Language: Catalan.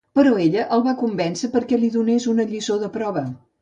Però ella el va convèncer perquè li donés una lliçó de prova.